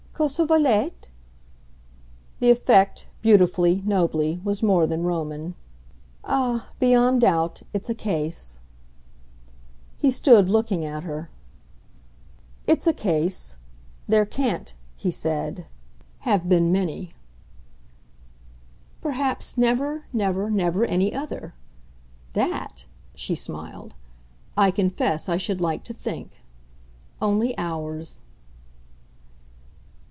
"Cosa volete?" The effect, beautifully, nobly, was more than Roman. "Ah, beyond doubt, it's a case." He stood looking at her. "It's a case. There can't," he said, "have been many." "Perhaps never, never, never any other. That," she smiled, "I confess I should like to think. Only ours."